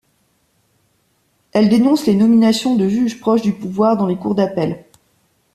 Elle dénonce les nominations de juges proches du pouvoir dans les cours d'appel.